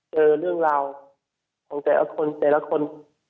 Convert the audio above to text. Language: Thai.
เจอเรื่องราวของแต่ละคนแต่ละคน